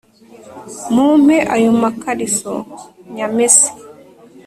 Mu mpe ayo ma kariso nyamese